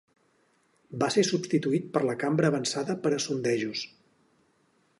Va ser substituït per la Cambra avançada per a sondejos.